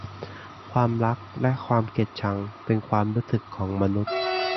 ความรักและความเกลียดชังเป็นความรู้สึกของมนุษย์